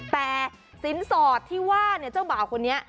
แต่สินสอดที่ว่าเนี่ยเจ้าบ่าวคนนี้